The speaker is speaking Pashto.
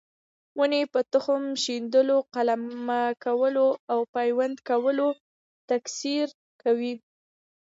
ونې په تخم شیندلو، قلمه کولو او پیوند کولو تکثیر کوي.